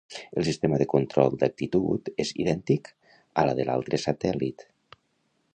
El sistema de control d'actitud és idèntic a la de l'altre satèl·lit.